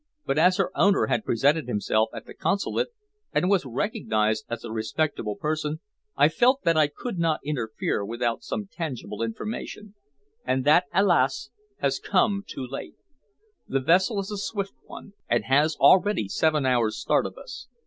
But as her owner had presented himself at the Consulate, and was recognized as a respectable person, I felt that I could not interfere without some tangible information and that, alas! has come too late. The vessel is a swift one, and has already seven hours start of us.